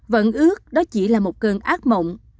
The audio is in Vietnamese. vẫn ước đó chỉ là một cơn ác mộng